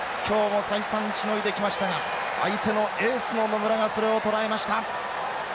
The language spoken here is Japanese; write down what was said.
今日も再三しのいできましたが相手のエースの野村がそれをとらえました。